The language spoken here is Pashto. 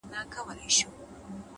د خاموش کار اغېز ژور وي؛